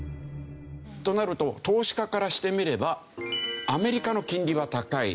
となると投資家からしてみればアメリカの金利は高い。